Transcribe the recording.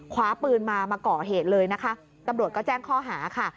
คว้าปืนมามาก่อเหตุเลยนะคะตำรวจก็แจ้งข้อหาค่ะ